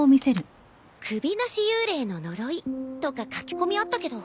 「首なし幽霊の呪い」とか書き込みあったけど